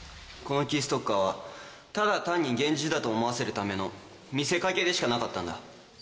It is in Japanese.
このキーストッカーは、ただたんに厳重だと思わせるための見せかけでしかなかったんだ。